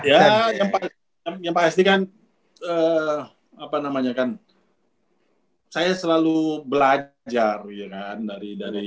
ya yang paling yang paling pasti kan apa namanya kan saya selalu belajar ya kan